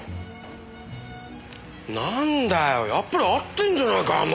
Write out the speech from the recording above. なんだよやっぱり合ってるじゃないか。